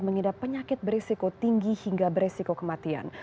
mengidap penyakit berisiko tinggi hingga beresiko kematian